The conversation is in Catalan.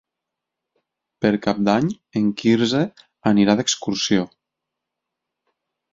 Per Cap d'Any en Quirze anirà d'excursió.